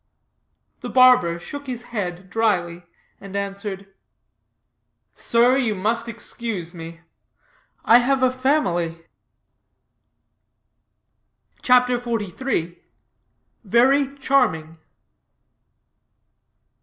The barber shook his head dryly, and answered, "Sir, you must excuse me. I have a family." CHAPTER XLIII VERY CHARMING.